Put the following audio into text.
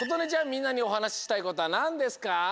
みんなにおはなししたいことはなんですか？